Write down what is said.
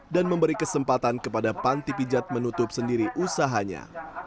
dan memberi kesempatan kepada panti pijat menutup sendiri usahanya